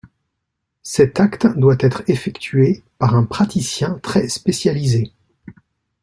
Cet acte doit être effectué par un praticien très spécialisé.